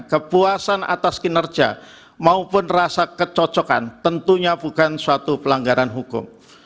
kepuasan atas kinerja maupun rasa kecocokan tentunya bukan suatu pelanggaran hukum